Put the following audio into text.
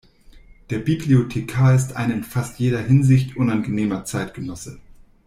Der Bibliothekar ist ein in fast jeder Hinsicht unangenehmer Zeitgenosse.